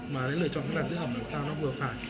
mà lựa chọn cái làn giữ ẩm làm sao nó vừa phải